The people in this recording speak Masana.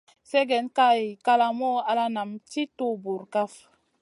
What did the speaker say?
Sègèn ka hiy kalamou ala nam tì tuhu bur kaf.